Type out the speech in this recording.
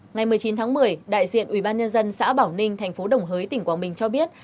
ngày một mươi chín tháng một mươi đại diện ubnd xã bảo ninh thành phố đồng hới tỉnh quảng bình cho biết